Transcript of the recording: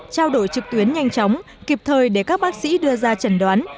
trao đổi trực tuyến nhanh chóng kịp thời để các bác sĩ đưa ra chẩn đoán